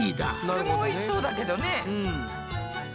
これもおいしそうだけどね。